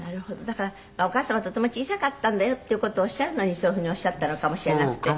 だからお母様はとても小さかったんだよっていう事をおっしゃるのにそういうふうにおっしゃったのかもしれなくて。